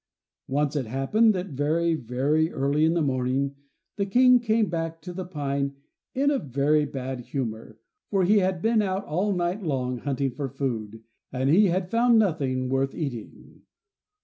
Once it happened that very, very early in the morning the King came back to the pine in a very bad humor, for he had been out all night long hunting for food, and he had found nothing worth eating.